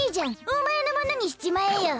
おまえのものにしちまえよ。